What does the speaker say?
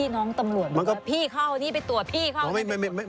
ทั้งตำรวจมันก็พี่เข้านี่ไปตัวพี่เข้านี่ไปตัว